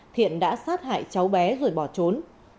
thiện đã sát hại cháu bé rồi bỏ trốn